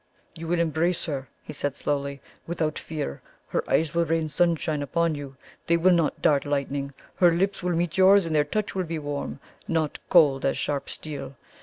"You will embrace her," he said slowly, "without fear. Her eyes will rain sunshine upon you; they will not dart lightning. Her lips will meet yours, and their touch will be warm not cold, as sharp steel.